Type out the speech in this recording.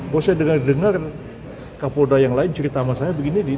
bahwa saya dengar dengar kapolda yang lain cerita sama saya begini